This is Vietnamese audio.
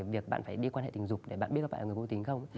việc bạn phải đi quan hệ tình dục để bạn biết là bạn là người vô tính không